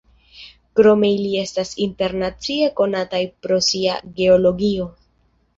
Krome ili estas internacie konataj pro sia geologio.